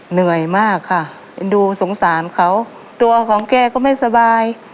เหนื่อยมากค่ะเอ็นดูสงสารเขาตัวของแกก็ไม่สบาย